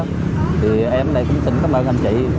thì em ở đây cũng xin cảm ơn anh chị